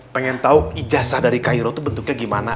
pengen tahu ijazah dari cairo itu bentuknya gimana